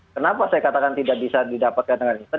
kenapa saya katakan tidak bisa didapatkan dengan instan